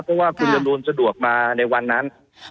เพราะว่าคุณจรูนสะดวกมาในวันนั้น